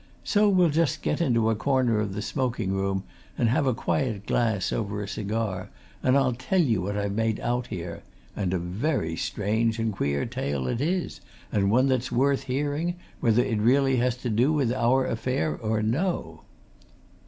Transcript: So we'll just get into a corner of the smoking room and have a quiet glass over a cigar, and I'll tell you what I've made out here and a very strange and queer tale it is, and one that's worth hearing, whether it really has to do with our affair or no!"